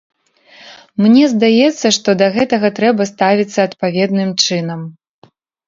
Мне здаецца, што да гэтага трэба ставіцца адпаведным чынам.